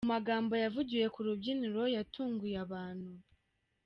Mu magambo yavugiwe ku rubyiniro yatunguye abantu.